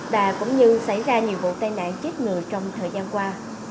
và cũng như xảy ra nhiều vụ tai nạn chết người trong thời gian qua